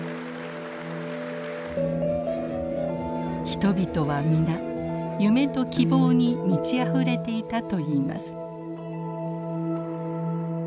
人々は皆夢と希望に満ちあふれていたといいます。